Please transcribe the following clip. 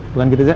bukan gitu zain